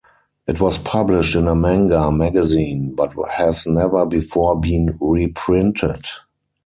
It was published in a manga magazine, but has never before been reprinted.